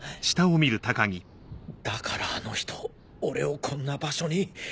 だからあの人俺をこんな場所に